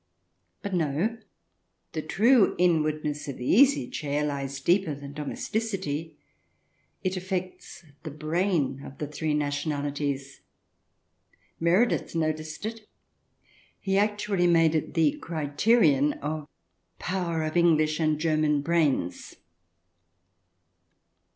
But no ; the true inwardness of the easy chair lies deeper than domesticity ; it affects the brain of the three nationaHties. Meredith noticed it ; he actually made it the criterion of power of English and German brains.